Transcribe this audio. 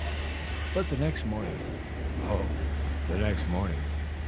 But the next morning oh, the next morning!